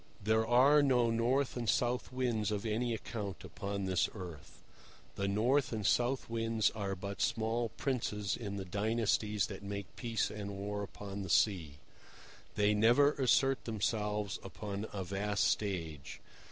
There are no North and South Winds of any account upon this earth. The North and South Winds are but small princes in the dynasties that make peace and war upon the sea. They never assert themselves upon a vast stage.